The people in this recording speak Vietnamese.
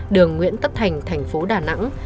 đường nguyễn tất thành thành phố đà nẵng